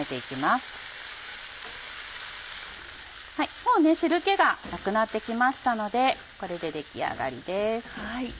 もう汁気がなくなって来ましたのでこれで出来上がりです。